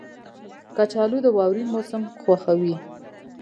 کچالو د واورین موسم خوښوي